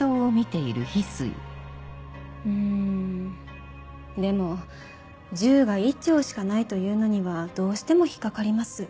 うんでも銃が１丁しかないというのにはどうしても引っ掛かります。